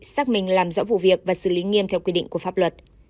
xác minh làm rõ vụ việc và xử lý nghiêm theo quy định của pháp luật